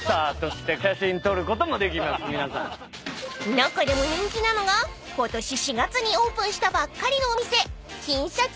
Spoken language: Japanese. ［中でも人気なのがことし４月にオープンしたばっかりのお店］